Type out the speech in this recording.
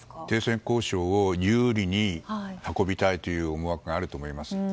停戦交渉を有利に運びたいという思惑があると思います。